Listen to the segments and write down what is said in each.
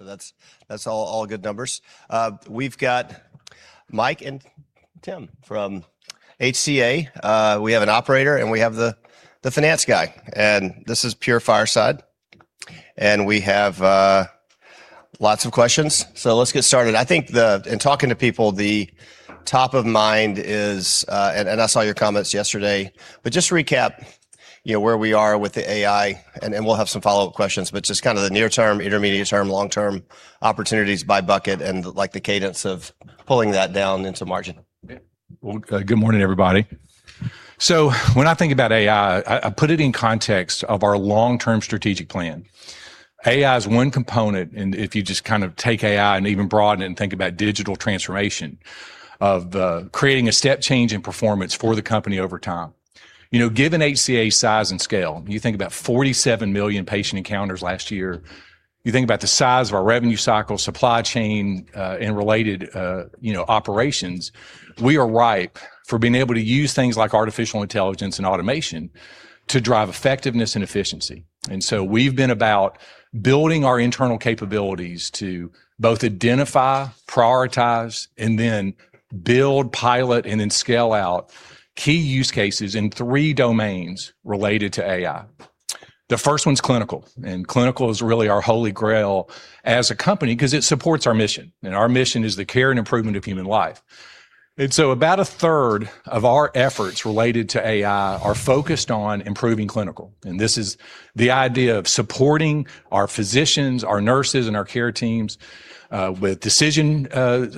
That's all good numbers. We've got Mike and Tim from HCA. We have an operator, and we have the finance guy, and this is pure fireside, and we have lots of questions, so let's get started. I think in talking to people, the top of mind is... and I saw your comments yesterday, but just recap, you know, where we are with the AI and then we'll have some follow-up questions, but just kind of the near term, intermediate term, long-term opportunities by bucket and like the cadence of pulling that down into margin. Good morning, everybody. When I think about AI, I put it in context of our long-term strategic plan. AI is one component, and if you just kind of take AI and even broaden it and think about digital transformation of creating a step change in performance for the company over time. Given HCA's size and scale, you think about 47 million patient encounters last year, you think about the size of our revenue cycle, supply chain, and related, you know, operations. We are ripe for being able to use things like artificial intelligence and automation to drive effectiveness and efficiency. We've been about building our internal capabilities to both identify, prioritize, and then build, pilot, and then scale out key use cases in three domains related to AI. The first one's clinical, and clinical is really our holy grail as a company because it supports our mission, and our mission is the care and improvement of human life. About a third of our efforts related to AI are focused on improving clinical, and this is the idea of supporting our physicians, our nurses, and our care teams with decision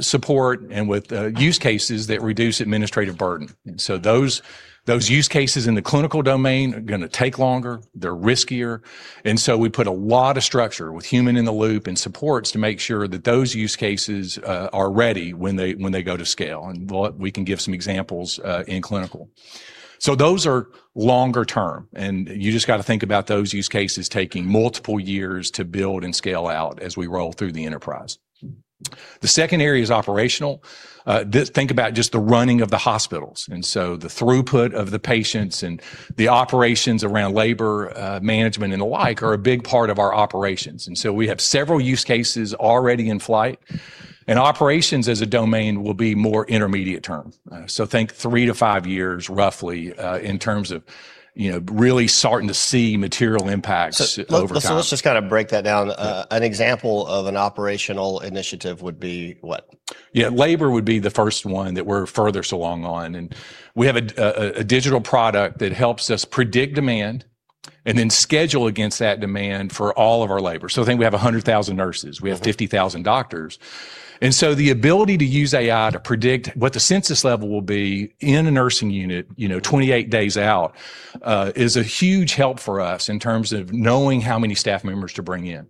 support and with use cases that reduce administrative burden. Those use cases in the clinical domain are gonna take longer, they're riskier, and so we put a lot of structure with human in the loop and supports to make sure that those use cases are ready when they, when they go to scale, and we can give some examples in clinical. Those are longer-term, and you just got to think about those use cases taking multiple years to build and scale out as we roll through the enterprise. The second area is operational. Think about just the running of the hospitals, and so the throughput of the patients and the operations around labor management and the like are a big part of our operations. We have several use cases already in flight. Operations as a domain will be more intermediate term. Think three to five years, roughly, in terms of, you know, really starting to see material impacts over time. Let's just kind of break that down. An example of an operational initiative would be what? Yeah. Labor would be the first one that we're further so long on, and we have a digital product that helps us predict demand and then schedule against that demand for all of our labor. Think we have 100,000 nurses. We have 50,000 doctors. The ability to use AI to predict what the census level will be in a nursing unit, you know, 28 days out, is a huge help for us in terms of knowing how many staff members to bring in.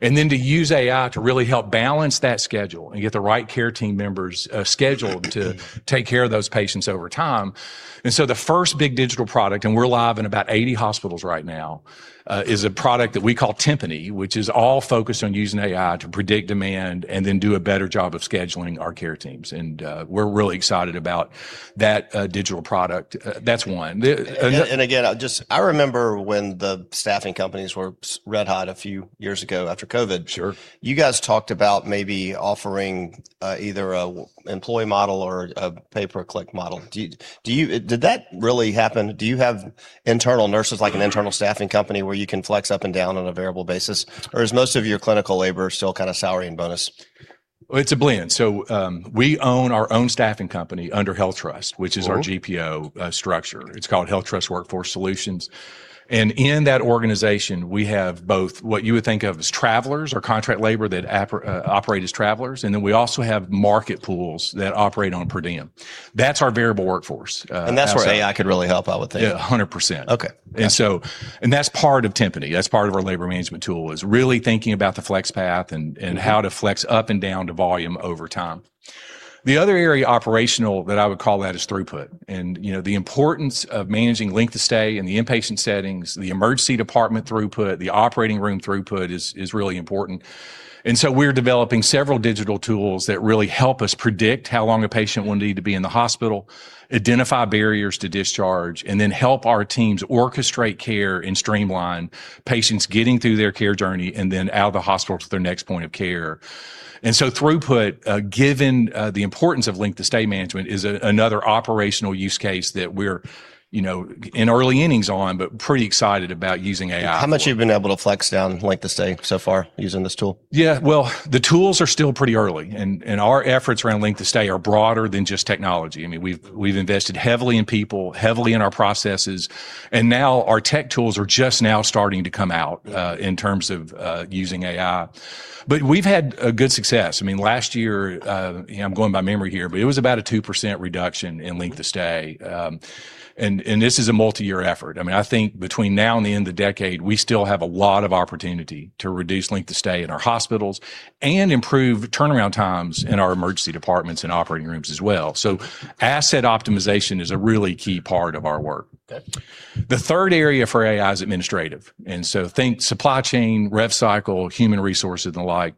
Then to use AI to really help balance that schedule and get the right care team members, scheduled to take care of those patients over time. The first big digital product, and we're live in about 80 hospitals right now, is a product that we call Timpani, which is all focused on using AI to predict demand and then do a better job of scheduling our care teams. We're really excited about that, digital product. That's one. Again, I'll just I remember when the staffing companies were red hot a few years ago after COVID. Sure. You guys talked about maybe offering either an employee model or a pay-per-click model. Did that really happen? Do you have internal nurses, like an internal staffing company where you can flex up and down on a variable basis, or is most of your clinical labor still kind of salary and bonus? It's a blend. We own our own staffing company under HealthTrust which is our GPO, structure. It's called HealthTrust Workforce Solutions. In that organization, we have both what you would think of as travelers or contract labor that operate as travelers, we also have market pools that operate on per diem. That's our variable workforce. That's where AI could really help out with that. Yeah, 100%. Okay. Yeah. That's part of Tempany. That's part of our labor management tool, is really thinking about the flex path nd how to flex up and down to volume over time. The other area operational that I would call that is throughput. You know, the importance of managing length of stay in the inpatient settings, the emergency department throughput, the operating room throughput is really important. We're developing several digital tools that really help us predict how long a patient will need to be in the hospital, identify barriers to discharge, and then help our teams orchestrate care and streamline patients getting through their care journey and then out of the hospital to their next point of care. Throughput, given the importance of length of stay management, is another operational use case that we're, you know, in early innings on, but pretty excited about using AI. How much have you been able to flex down length of stay so far using this tool? Yeah. Well, the tools are still pretty early and our efforts around length of stay are broader than just technology. I mean, we've invested heavily in people, heavily in our processes, and now our tech tools are just now starting to come out. Yeah. In terms of using AI. We've had a good success. I mean, last year, you know, I'm going by memory here, but it was about a 2% reduction in length of stay. This is a multi-year effort. I mean, I think between now and the end of the decade, we still have a lot of opportunity to reduce length of stay in our hospitals and improve turnaround times in our emergency departments and operating rooms as well. Asset optimization is a really key part of our work. Okay. The third area for AI is administrative. Think supply chain, rev cycle, human resources, and the like.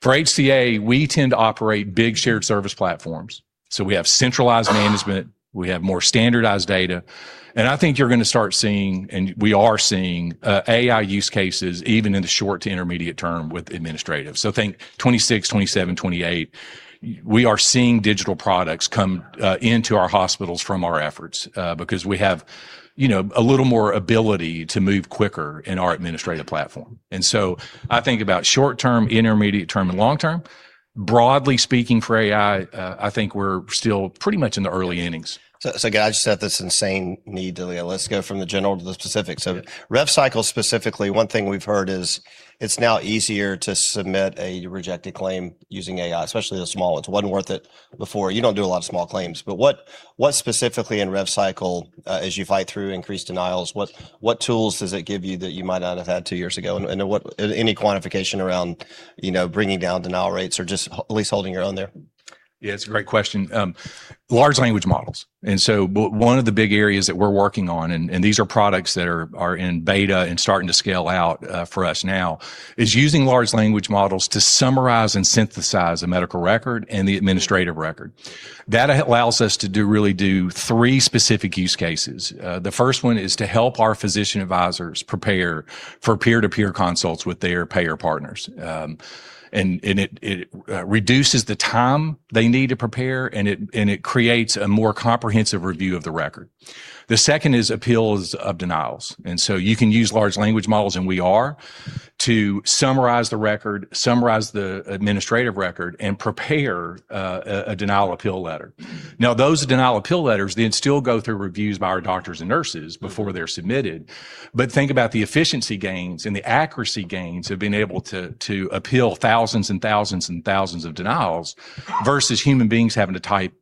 For HCA, we tend to operate big shared service platforms. We have centralized management, we have more standardized data, I think you're gonna start seeing, and we are seeing, AI use cases even in the short to intermediate term with administrative. Think 2026, 2027, 2028, we are seeing digital products come, into our hospitals from our efforts, because we have, you know, a little more ability to move quicker in our administrative platform. I think about short-term, intermediate-term, and long-term. Broadly speaking for AI, I think we're still pretty much in the early innings. Guys, I just have this insane need to, let's go from the general to the specific. Yeah. Rev cycle specifically, one thing we've heard is it's now easier to submit a rejected claim using AI, especially the small ones. It wasn't worth it before. You don't do a lot of small claims, but what specifically in rev cycle, as you fight through increased denials, what tools does it give you that you might not have had two years ago, and any quantification around, you know, bringing down denial rates or just at least holding your own there? Yeah, it's a great question. large language models. But one of the big areas that we're working on, and these are products that are in beta and starting to scale out for us now, is using large language models to summarize and synthesize a medical record and the administrative record. That allows us to really do three specific use cases. The first one is to help our physician advisors prepare for peer-to-peer consults with their payer partners. It reduces the time they need to prepare, and it creates a more comprehensive review of the record. The second is appeals of denials. You can use large language models, and we are, to summarize the record, summarize the administrative record, and prepare a denial appeal letter. Those denial appeal letters then still go through reviews by our doctors and nurses before they're submitted. Think about the efficiency gains and the accuracy gains of being able to appeal thousands and thousands and thousands of denials versus human beings having to type,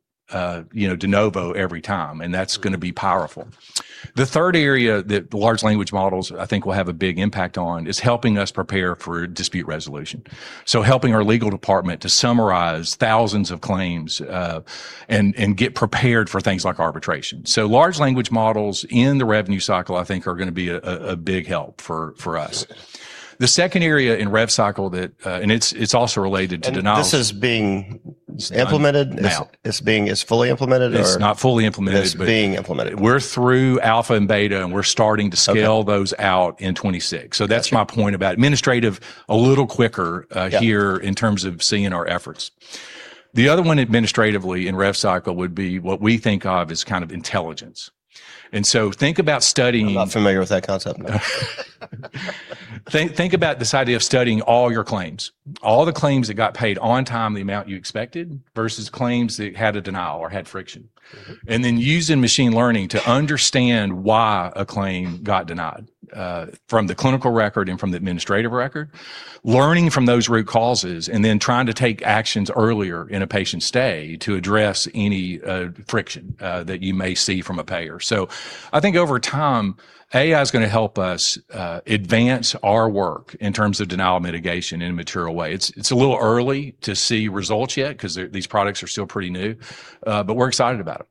you know, de novo every time, and that's gonna be powerful. The third area that large language models I think will have a big impact on is helping us prepare for dispute resolution. Helping our legal department to summarize thousands of claims and get prepared for things like arbitration. Large language models in the revenue cycle I think are gonna be a big help for us. The second area in rev cycle that and it's also related to denials- This is being implemented? Now. It's fully implemented or. It's not fully implemented. It's being implemented. We're through alpha and beta, and we're starting to scale. Okay.... those out in 2026. Got you. That's my point about administrative a little quicker. Yeah.... here in terms of seeing our efforts. The other one administratively in rev cycle would be what we think of as kind of intelligence. Think about studying- I'm not familiar with that concept. Think about this idea of studying all your claims, all the claims that got paid on time the amount you expected versus claims that had a denial or had friction using machine learning to understand why a claim got denied, from the clinical record and from the administrative record, learning from those root causes, and then trying to take actions earlier in a patient's stay to address any friction that you may see from a payer. I think over time, AI's gonna help us advance our work in terms of denial mitigation in a material way. It's a little early to see results yet because these products are still pretty new, but we're excited about them.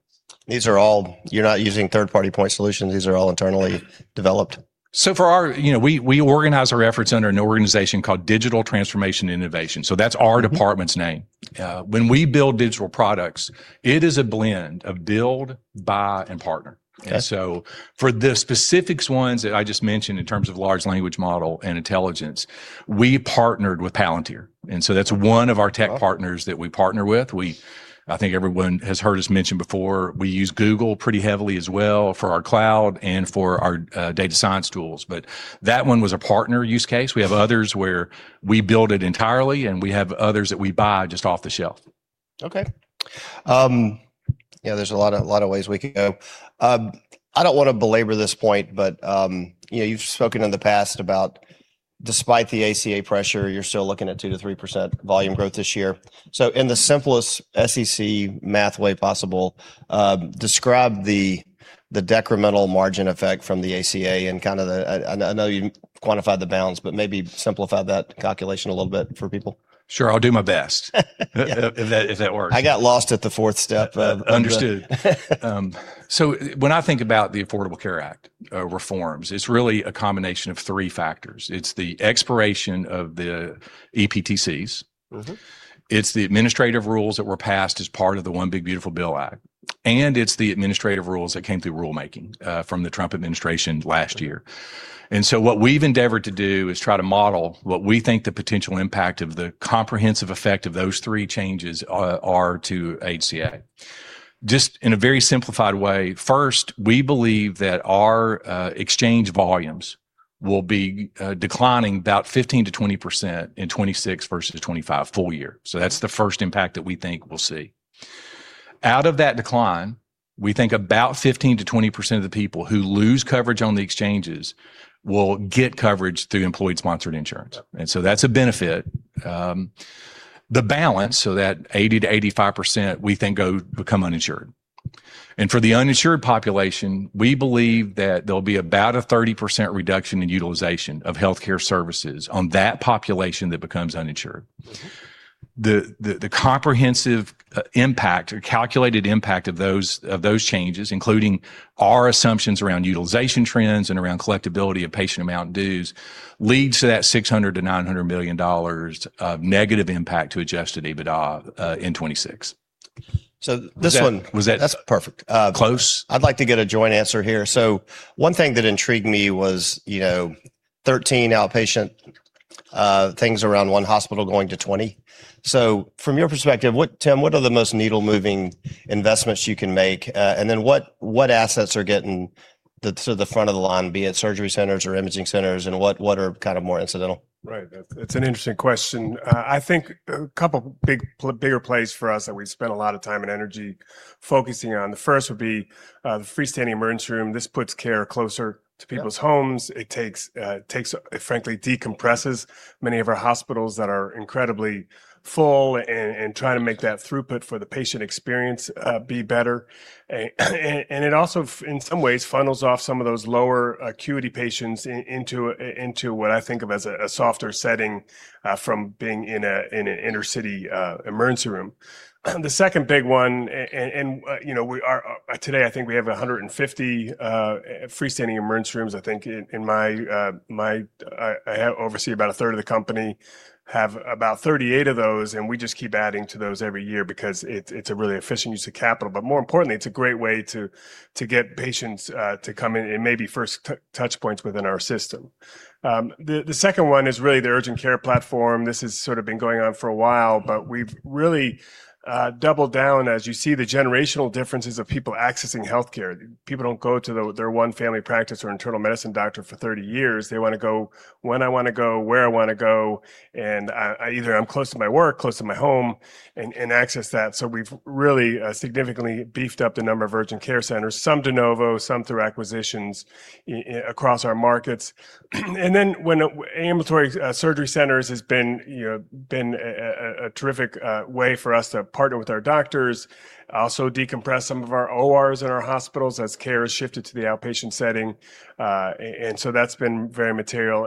You're not using third-party point solutions. These are all internally developed. You know, we organize our efforts under an organization called Digital Transformation and Innovation department's name. When we build digital products, it is a blend of build, buy, and partner. Okay. For the specifics ones that I just mentioned in terms of large language model and intelligence, we partnered with Palantir, and so that's one of our. Oh.... partners that we partner with. I think everyone has heard us mention before, we use Google pretty heavily as well for our cloud and for our data science tools. That one was a partner use case. We have others where we build it entirely, and we have others that we buy just off the shelf. Okay. Yeah, there's a lot of, lot of ways we could go. I don't wanna belabor this point, but, you know, you've spoken in the past about despite the ACA pressure, you're still looking at 2%-3% volume growth this year. In the simplest SEC math way possible, describe the decremental margin effect from the ACA and kind of the I know you quantified the bounds, but maybe simplify that calculation a little bit for people. Sure, I'll do my best. If that works. I got lost at the fourth step. Understood. When I think about the Affordable Care Act, reforms, it's really a combination of three factors. It's the expiration of the EPTCs. Mm-hmm. It's the administrative rules that were passed as part of the One Big Beautiful Bill Act. It's the administrative rules that came through rulemaking from the Trump administration last year. What we've endeavored to do is try to model what we think the potential impact of the comprehensive effect of those three changes are to HCA. Just in a very simplified way, first, we believe that our exchange volumes will be declining about 15%-20% in 2026 versus 2025 full year. That's the first impact that we think we'll see. Out of that decline, we think about 15%-20% of the people who lose coverage on the exchanges will get coverage through employed sponsored insurance. Yep. That's a benefit. The balance, so that 80%-85% we think go become uninsured. For the uninsured population, we believe that there'll be about a 30% reduction in utilization of healthcare services on that population that becomes uninsured. Mm-hmm. The comprehensive impact or calculated impact of those changes, including our assumptions around utilization trends and around collectibility of patient amount dues leads to that $600 million-$900 million of negative impact to adjusted EBITDA in 2026. This one- Was that? That's perfect. Close? I'd like to get a joint answer here. One thing that intrigued me was, you know, 13 outpatient things around one hospital going to 20. From your perspective, Tim, what are the most needle-moving investments you can make? What, what assets are getting the, so the front of the line, be it surgery centers or imaging centers, and what are kind of more incidental? Right. That's. It's an interesting question. I think a couple bigger plays for us that we spent a lot of time and energy focusing on. The first would be the freestanding emergency room. This puts care closer to people's homes. It takes it frankly decompresses many of our hospitals that are incredibly full and trying to make that throughput for the patient experience be better. It also in some ways funnels off some of those lower acuity patients into a softer setting from being in an inner city emergency room. The second big one, you know, today I think we have 150 freestanding emergency rooms. I think in my I oversee about a third of the company, have about 38 of those, and we just keep adding to those every year because it's a really efficient use of capital. More importantly, it's a great way to get patients to come in, and maybe first to-touch points within our system. The second one is really the urgent care platform. This has sort of been going on for a while, but we've really doubled down as you see the generational differences of people accessing healthcare. People don't go to their one family practice or internal medicine doctor for 30 years. They wanna go when I wanna go, where I wanna go, and either I'm close to my work, close to my home, and access that. We've really significantly beefed up the number of urgent care centers, some de novo, some through acquisitions across our markets. When ambulatory surgery centers has been, you know, been a terrific way for us to partner with our doctors, also decompress some of our ORs in our hospitals as care has shifted to the outpatient setting. That's been very material.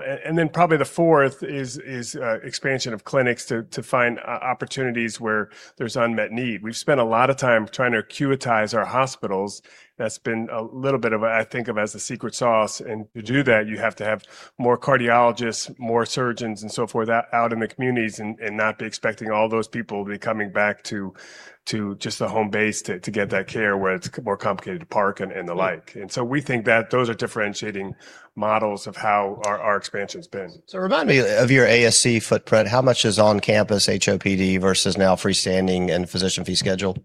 Probably the fourth is expansion of clinics to find opportunities where there's unmet need. We've spent a lot of time trying to acuitize our hospitals. That's been a little bit of a, I think of as the secret sauce. To do that, you have to have more cardiologists, more surgeons, and so forth out in the communities and not be expecting all those people to be coming back to just the home base to get that care where it's more complicated to park and the like. We think that those are differentiating models of how our expansion's been. Remind me of your ASC footprint. How much is on-campus HOPD versus now freestanding and physician fee schedule?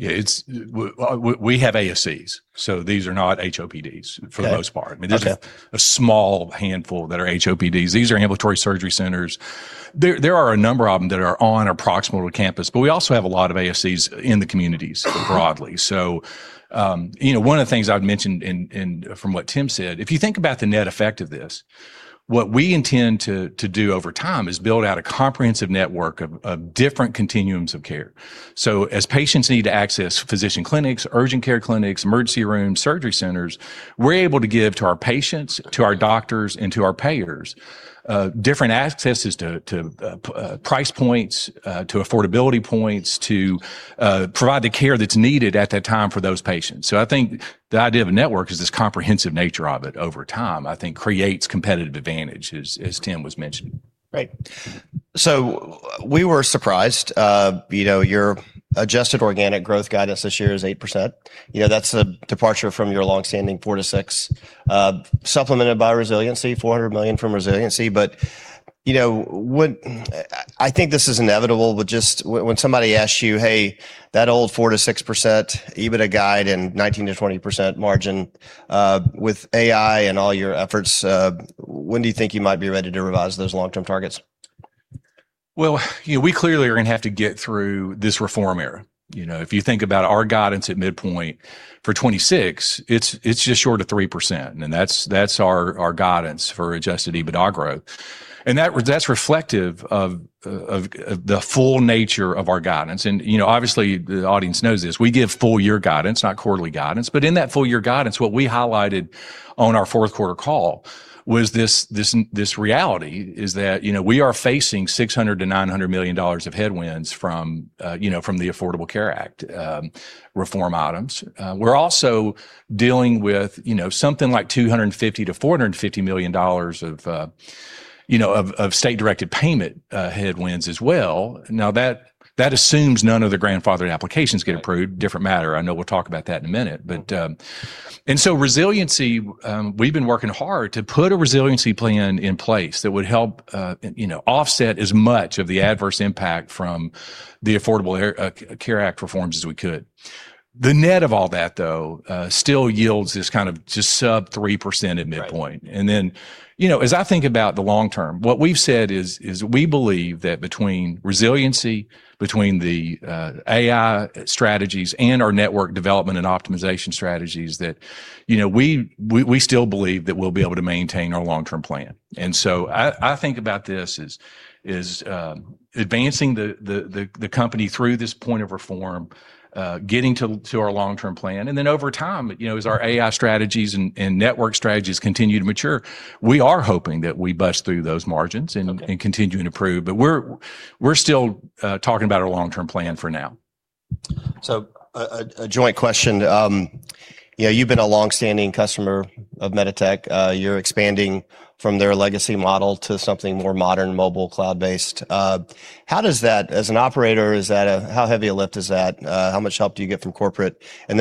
Yeah, it's, we have ASCs. These are not HOPDs for the most part. Okay. I mean, there's a small handful that are HOPDs. These are ambulatory surgery centers. There are a number of them that are on or proximal to campus, but we also have a lot of ASCs in the communities broadly. One of the things I've mentioned and from what Tim said, if you think about the net effect of this, what we intend to do over time is build out a comprehensive network of different continuums of care. As patients need to access physician clinics, urgent care clinics, emergency rooms, surgery centers, we're able to give to our patients, to our doctors, and to our payers, different accesses to price points, to affordability points, to provide the care that's needed at that time for those patients. I think the idea of a network is this comprehensive nature of it over time, I think creates competitive advantage, as Tim was mentioning. We were surprised, you know, your adjusted organic growth guidance this year is 8%. You know, that's a departure from your longstanding 4%-6%, supplemented by resiliency, $400 million from resiliency. You know, I think this is inevitable, but just when somebody asks you, "Hey, that old 4%-6% EBITDA guide and 19%-20% margin, with AI and all your efforts, when do you think you might be ready to revise those long-term targets? Well, you know, we clearly are gonna have to get through this reform era. You know, if you think about our guidance at midpoint for 2026, it's just short of 3%, and that's our guidance for adjusted EBITDA growth. That's reflective of the full nature of our guidance. You know, obviously, the audience knows this. We give full year guidance, not quarterly guidance. In that full year guidance, what we highlighted on our fourth quarter call was this reality, is that, you know, we are facing $600 million-$900 million of headwinds from, you know, from the Affordable Care Act, reform items. We're also dealing with, you know, something like $250 million-$450 million of, you know, of state-directed payment headwinds as well. That assumes none of the grandfathered applications get approved. Different matter. I know we'll talk about that in a minute. Okay. Resiliency, we've been working hard to put a resiliency plan in place that would help, you know, offset as much of the adverse impact from the Affordable Care Act reforms as we could. The net of all that, though, still yields this kind of just sub 3% at midpoint. Right. You know, as I think about the long term, what we've said is, we believe that between resiliency, between the AI strategies and our network development and optimization strategies, that, you know, we still believe that we'll be able to maintain our long-term plan. I think about this as advancing the company through this point of reform, getting to our long-term plan, and then over time, you know, as our AI strategies and network strategies continue to mature, we are hoping that we bust through those margins... Okay.... and continue to improve. We're still talking about our long-term plan for now. A joint question. Yeah, you've been a long-standing customer of MEDITECH. You're expanding from their legacy model to something more modern, mobile, cloud-based. How does that, as an operator, how heavy a lift is that? How much help do you get from corporate? You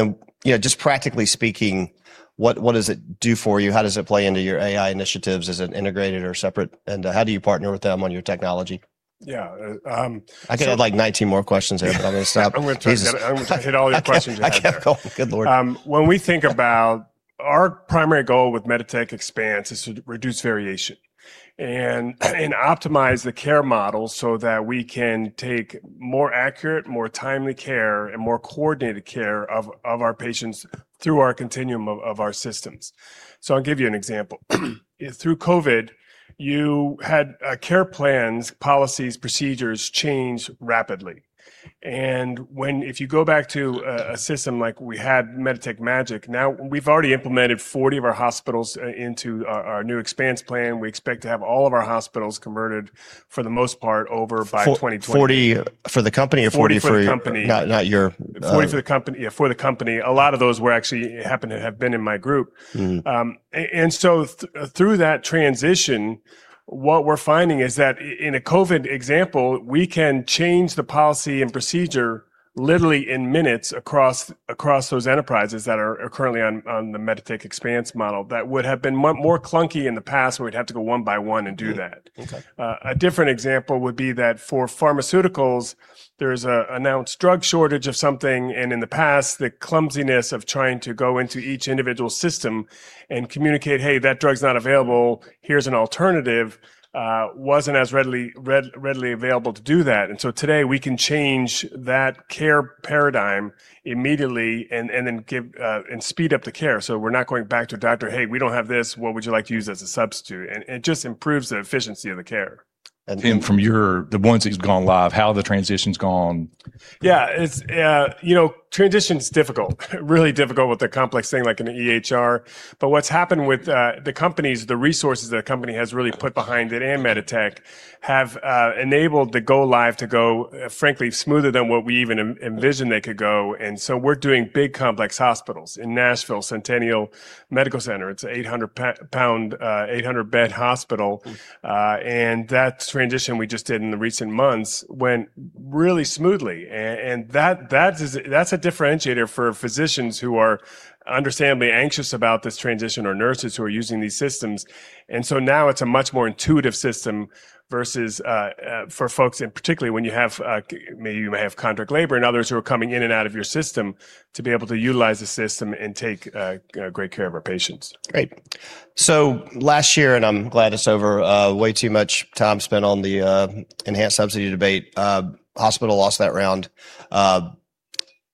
know, just practically speaking, what does it do for you? How does it play into your AI initiatives? Is it integrated or separate? How do you partner with them on your technology? Yeah. I could have like 19 more questions there, but I'm gonna stop. I'm gonna try to get- Jesus. I'm gonna try to hit all your questions you had there. I can't keep going. Good Lord. When we think about our primary goal with MEDITECH Expanse is to reduce variation and optimize the care model so that we can take more accurate, more timely care, and more coordinated care of our patients through our continuum of our systems. I'll give you an example. Through COVID, you had care plans, policies, procedures change rapidly. If you go back to a system like we had, MEDITECH MAGIC, now we've already implemented 40 of our hospitals into our new Expanse plan. We expect to have all of our hospitals converted for the most part over by 2020. 40 for the company or 40. 40 for the company.... not your. 40 for the company. Yeah, for the company. A lot of those were actually happen to have been in my group. Mm-hmm. Through that transition, what we're finding is that in a COVID example, we can change the policy and procedure literally in minutes across those enterprises that are currently on the MEDITECH Expanse model that would have been more clunky in the past where we'd have to go one by one and do that. Mm-hmm. Okay. A different example would be that for pharmaceuticals, there's a announced drug shortage of something, in the past, the clumsiness of trying to go into each individual system and communicate, "Hey, that drug's not available. Here's an alternative," wasn't as readily available to do that. Today we can change that care paradigm immediately and then give and speed up the care. We're not going back to doctor, "Hey, we don't have this. What would you like to use as a substitute?" It just improves the efficiency of the care. From the ones that's gone live, how have the transitions gone? Yeah, it's, you know, transition's difficult, really difficult with a complex thing like an EHR. What's happened with the companies, the resources the company has really put behind it and MEDITECH have enabled the go live to go, frankly, smoother than what we even envisioned they could go. We're doing big, complex hospitals in Nashville, Centennial Medical Center. It's a 800 lbs, 800-bed hospital. Mm. That transition we just did in the recent months went really smoothly. That's a differentiator for physicians who are understandably anxious about this transition or nurses who are using these systems. Now it's a much more intuitive system versus for folks, and particularly when you have, maybe you may have contract labor and others who are coming in and out of your system to be able to utilize the system and take great care of our patients. Great. Last year, and I'm glad it's over, way too much time spent on the enhanced subsidy debate. Hospital lost that round.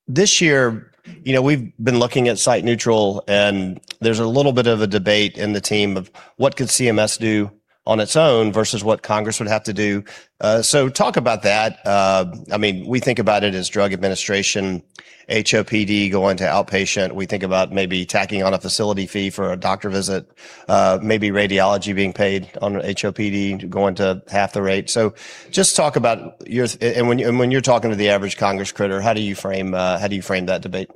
This year, you know, we've been looking at site neutral, and there's a little bit of a debate in the team of what could CMS do on its own versus what Congress would have to do. Talk about that. I mean, we think about it as drug administration, HOPD going to outpatient. We think about maybe tacking on a facility fee for a doctor visit, maybe radiology being paid on HOPD going to half the rate. Just talk about and when you're talking to the average Congress critter, how do you frame that debate?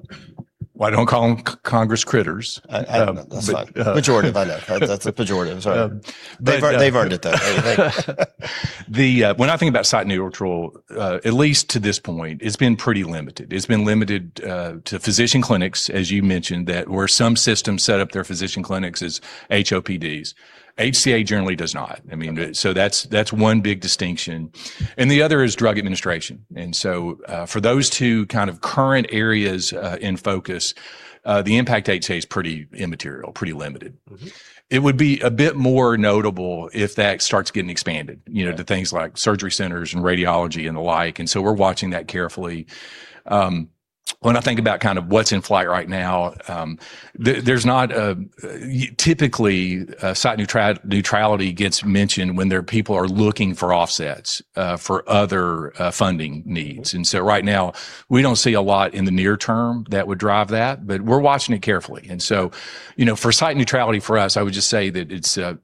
Well, I don't ca them Congress critters. I don't. That's fine. Pejorative, I know. That's a pejorative, sorry. Yeah. They've earned it, though. When I think about site neutral, at least to this point, it's been pretty limited. It's been limited, to physician clinics, as you mentioned, that where some systems set up their physician clinics as HOPDs. HCA generally does not. Okay.... that's one big distinction. The other is drug administration. For those two kind of current areas in focus, the impact to HCA is pretty immaterial, pretty limited. Mm-hmm. It would be a bit more notable if that starts getting expanded- Yeah.... you know, to things like surgery centers and radiology and the like. We're watching that carefully. When I think about kind of what's in flight right now, there's not typically site neutrality gets mentioned when their people are looking for offsets for other funding needs. Mm-hmm. Right now, we don't see a lot in the near term that would drive that, but we're watching it carefully. You know, for site neutrality for us, I would just say that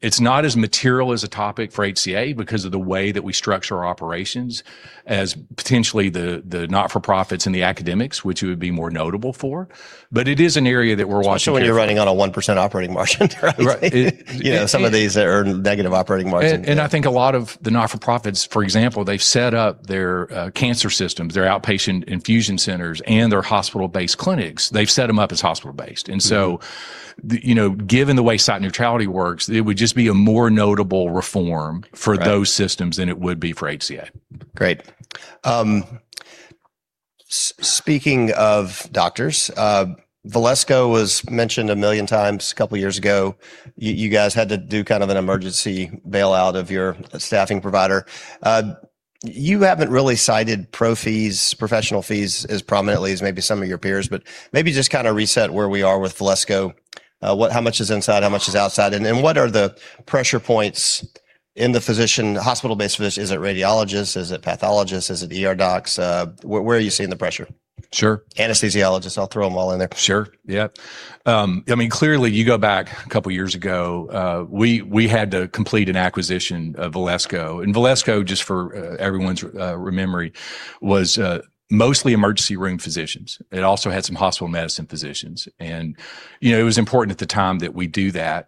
it's not as material as a topic for HCA because of the way that we structure our operations as potentially the not-for-profits and the academics, which it would be more notable for. It is an area that we're watching carefully. Especially when you're running on a 1% operating margin. Right. You know, some of these are negative operating margin. I think a lot of the not-for-profits, for example, they've set up their cancer systems, their outpatient infusion centers, and their hospital-based clinics. They've set them up as hospital-based. Mm-hmm. You know, given the way site neutrality works, it would just be a more notable reform. Right. For those systems than it would be for HCA. Great. Speaking of doctors, Valesco was mentioned a million times a couple years ago. You guys had to do kind of an emergency bailout of your staffing provider. You haven't really cited professional fees as prominently as maybe some of your peers, but maybe just kind of reset where we are with Valesco. How much is inside, how much is outside? What are the pressure points in the physician, hospital-based physician? Is it radiologists? Is it pathologists? Is it ER docs? Where are you seeing the pressure? Sure. Anesthesiologists. I'll throw them all in there. Sure. Yeah. I mean, clearly you go back a couple of years ago, we had to complete an acquisition of Valesco. Valesco, just for everyone's rememory, was mostly emergency room physicians. It also had some hospital medicine physicians. You know, it was important at the time that we do that.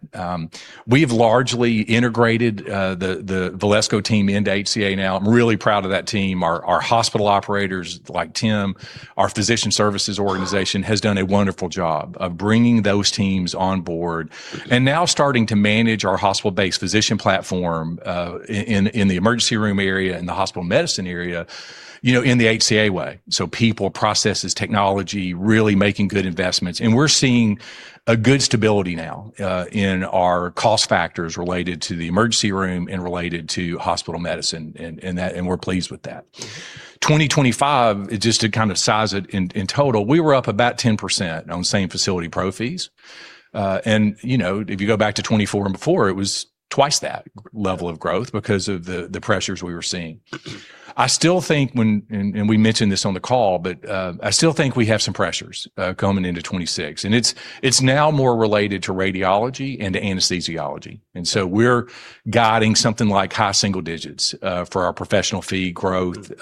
We've largely integrated the Valesco team into HCA now. I'm really proud of that team. Our hospital operators, like Tim, our physician services organization, has done a wonderful job of bringing those teams on board and now starting to manage our hospital-based physician platform in the emergency room area and the hospital medicine area, you know, in the HCA way. People, processes, technology, really making good investments. We're seeing a good stability now, in our cost factors related to the emergency room and related to hospital medicine and that, and we're pleased with that. 2025, just to kind of size it in total, we were up about 10% on the same facility pro fees. You know, if you go back to 2024 and before, it was twice that level of growth because of the pressures we were seeing. I still think when, and we mentioned this on the call, but I still think we have some pressures coming into 2026, and it's now more related to radiology and to anesthesiology. So we're guiding something like high single digits for our professional fee growth.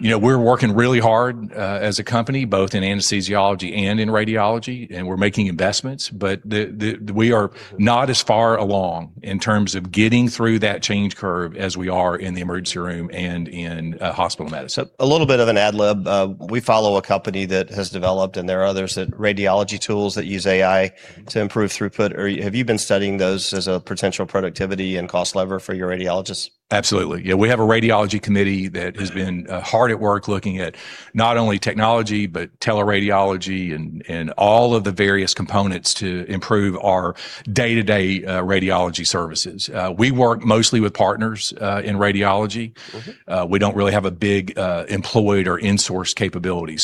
You know, we're working really hard, as a company, both in anesthesiology and in radiology, and we're making investments, but we are not as far along in terms of getting through that change curve as we are in the emergency room and in hospital medicine. A little bit of an ad lib. We follow a company that has developed, and there are others, that radiology tools that use AI to improve throughput. Have you been studying those as a potential productivity and cost lever for your radiologists? Absolutely. Yeah, me have a radiology committee that has been hard at work looking at not only technology, but teleradiology and all of the various components to improve our day-to-day radiology services. We work mostly with partners in radiology. Okay. We don't really have a big employed or insourced capability.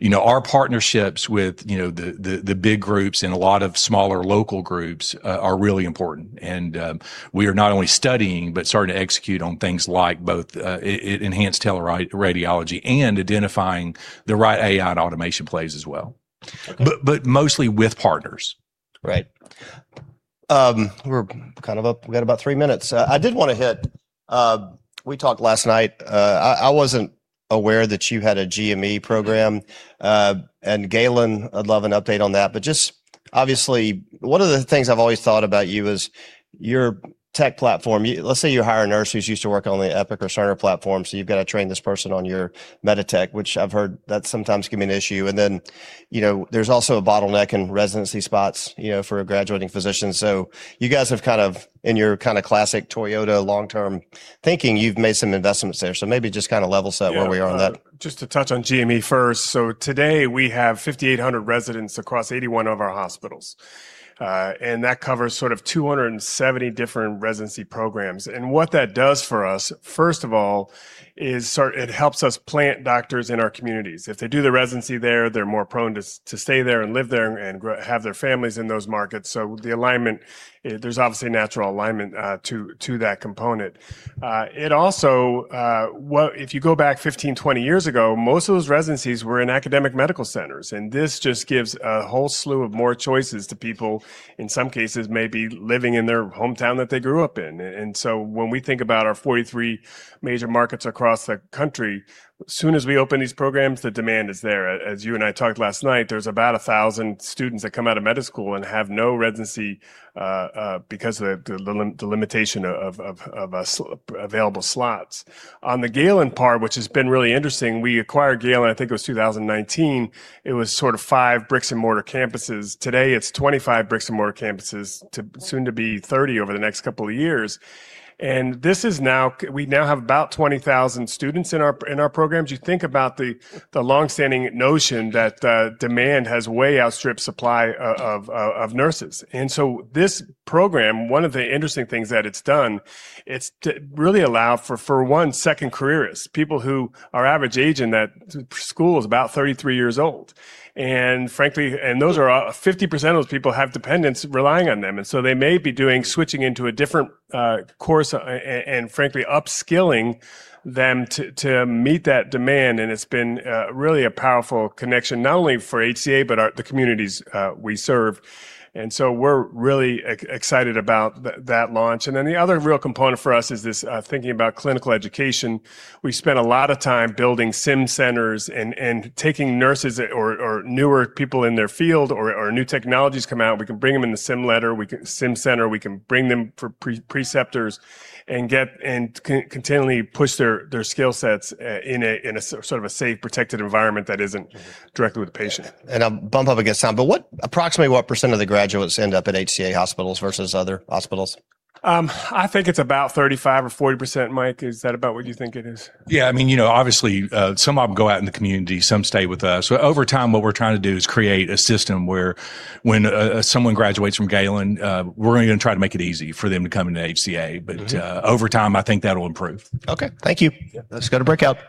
You know, our partnerships with, you know, the, the big groups and a lot of smaller local groups are really important. We are not only studying, but starting to execute on things like both enhanced teleradiology and identifying the right AI and automation plays as well. Okay. Mostly with partners. Right. We've got about three minutes. I did wanna hit, we talked last night, I wasn't aware that you had a GME program, and Galen, I'd love an update on that. Just obviously, one of the things I've always thought about you is your tech platform. Let's say you hire a nurse who's used to work on the Epic or Cerner platform, so you've got to train this person on your MEDITECH, which I've heard that sometimes can be an issue. Then, you know, there's also a bottleneck in residency spots, you know, for a graduating physician. You guys have kind of, in your kind of classic Toyota long-term thinking, you've made some investments there. Maybe just kind of level set where we are on that. Yes. Just to touch on GME first. Today we have 5,800 residents across 81 of our hospitals. That covers sort of 270 different residency programs. What that does for us, first of all, is it helps us plant doctors in our communities. If they do their residency there, they're more prone to stay there and live there and have their families in those markets. The alignment, there's obviously natural alignment, to that component. It also, if you go back 15, 20 years ago, most of those residencies were in academic medical centers, and this just gives a whole slew of more choices to people, in some cases, maybe living in their hometown that they grew up in. When we think about our 43 major markets across the country, as soon as we open these programs, the demand is there. As you and I talked last night, there's about 1,000 students that come out of med school and have no residency because of the limitation of available slots. On the Galen part, which has been really interesting, we acquired Galen, I think it was 2019. It was sort of five bricks-and-mortar campuses. Today, it's 25 bricks-and-mortar campuses, to soon to be 30 over the next couple of years. This is now we now have about 20,000 students in our programs. You think about the long-standing notion that demand has way outstripped supply of nurses. This program, one of the interesting things that it's done, it's to really allow for one, second careerists, people who our average age in that school is about 33 years old. Frankly, 50% of those people have dependents relying on them. They may be doing, switching into a different course and frankly, upskilling them to meet that demand. It's been really a powerful connection, not only for HCA, but our, the communities we serve. We're really excited about that launch. The other real component for us is this thinking about clinical education. We've spent a lot of time building sim centers and taking nurses or newer people in their field or new technologies come out. We can bring them in the sim letter. We can sim center. We can bring them for pre-preceptors and continually push their skill sets in a sort of a safe, protected environment that isn't directly with the patient. I'll bump up against Tim, but approximately what percent of the graduates end up at HCA hospitals versus other hospitals? I think it's about 35% or 40%. Mike, is that about what you think it is? Yeah. I mean, you know, obviously, some of them go out in the community, some stay with us. Over time, what we're trying to do is create a system where when, someone graduates from Galen, we're gonna try to make it easy for them to come into HCA. Mm-hmm. Over time, I think that'll improve. Okay. Thank you. Yeah. Let's go to breakout.